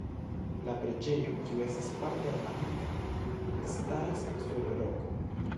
La preĝejo, kiu estas parte romanika, staras sur roko.